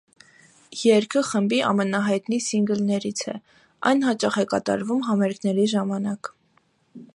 Երգը խմբի ամենահայտնի սինգլերից է, այն հաճախ է կատարվում համերգների ժամանակ։